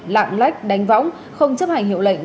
lạng lách đánh võng không chấp hành hiệu lệnh